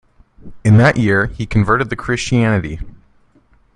In that year, he converted to Christianity.